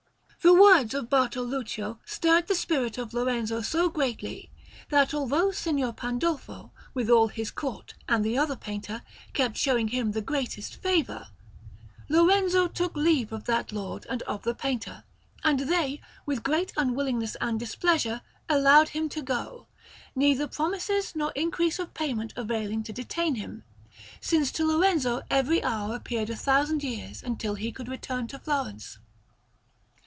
The words of Bartoluccio stirred the spirit of Lorenzo so greatly, that although Signor Pandolfo, with all his Court and the other painter, kept showing him the greatest favour, Lorenzo took leave of that lord and of the painter, and they, with great unwillingness and displeasure, allowed him to go, neither promises nor increase of payment availing to detain him, since to Lorenzo every hour appeared a thousand years until he could return to Florence.